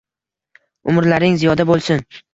Umrlaring ziyoda bo’lsin.